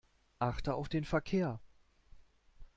Achte auf den Verkehr.